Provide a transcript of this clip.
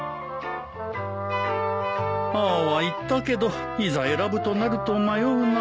あぁは言ったけどいざ選ぶとなると迷うな。